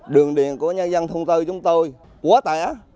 đường điện của nhân dân thông tư chúng tôi quá tải